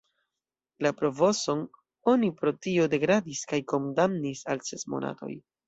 La provoson oni pro tio degradis kaj kondamnis al ses monatoj.